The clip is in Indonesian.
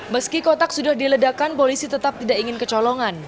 meski kotak sudah diledakan polisi tetap tidak ingin kecolongan